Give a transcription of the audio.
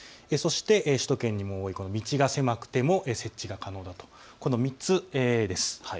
そして首都圏にも多い道が狭くても設置が可能だというその３つです。